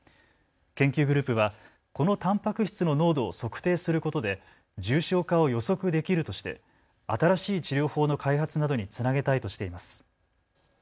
研究グループはこのたんぱく質の濃度を測定することで重症化を予測できるとして新しい治療法の開発などにつなげたいとしています。